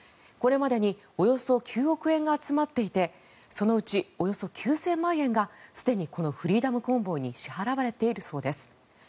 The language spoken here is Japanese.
これまでにおよそ９億円が集まっていてそのうちおよそ９０００万円がすでにこのフリーダム・コンボイに支払われているそうです。